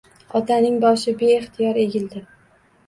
Otaning boshi beixtiyor egildi